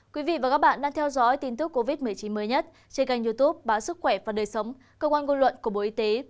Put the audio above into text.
quý vị và các bạn đang theo dõi tin tức covid một mươi chín mới nhất trên kênh youtube báo sức khỏe và đời sống cơ quan ngôn luận của bộ y tế